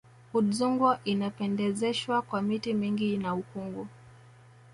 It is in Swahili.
udzungwa inapendezeshwa kwa miti mingi na ukungu